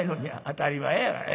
「当たり前やがな。